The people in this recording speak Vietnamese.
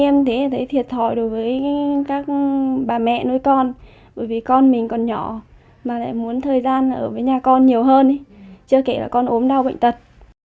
em thấy thiệt thòi đối với các bà mẹ nuôi con bởi vì con mình còn nhỏ mà lại muốn thời gian ở với nhà con nhiều hơn chưa kể là con ốm đau bệnh tật